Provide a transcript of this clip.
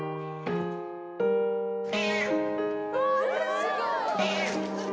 すごい！